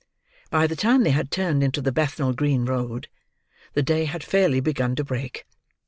By the time they had turned into the Bethnal Green Road, the day had fairly begun to break.